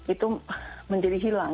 itu menjadi hilang